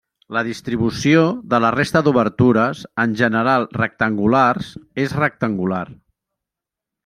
La distribució de la resta d'obertures, en general rectangulars, és rectangular.